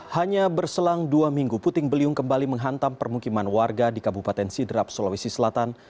hanya berselang dua minggu puting beliung kembali menghantam permukiman warga di kabupaten sidrap sulawesi selatan